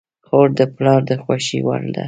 خور د پلار د خوښې وړ ده.